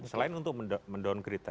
selain untuk mendowngrade